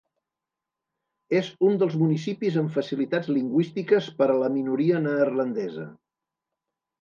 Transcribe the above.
És un dels municipis amb facilitats lingüístiques per a la minoria neerlandesa.